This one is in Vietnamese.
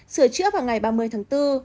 sửa chữa vào ngày ba mươi tháng bốn